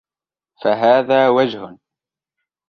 فَهَذَا وَجْهٌ